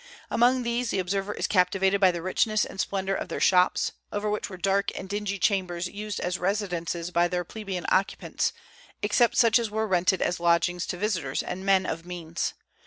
Among these, the observer is captivated by the richness and splendor of their shops, over which were dark and dingy chambers used as residences by their plebeian occupants, except such as were rented as lodgings to visitors and men of means.